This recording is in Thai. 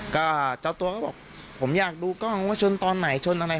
ก็เจ้าตัวก็บอกผมอยากดูกล้องว่าชนตอนไหนชนอะไร